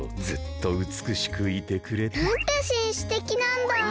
ずっとうつくしくいてくれて。なんてしんしてきなんだ！